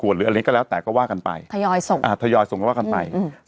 หรืออะไรก็แล้วแต่ก็ว่ากันไปทยอยส่งอ่าทยอยส่งก็ว่ากันไปอืม